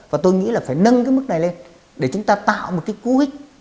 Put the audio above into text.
và tôi nghĩ là phải nâng cái mức này lên để chúng ta tạo một cái cú hích